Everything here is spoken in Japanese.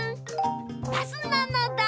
バスなのだ！